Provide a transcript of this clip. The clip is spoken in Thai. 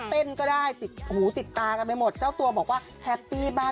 เต้นก็ได้ติดหูติดตากันไปหมดเจ้าตัวบอกว่าแฮปปี้มาก